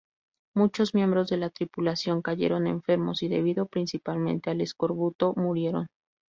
Muchos miembros de la tripulación cayeron enfermos y debido principalmente al escorbuto, murieron.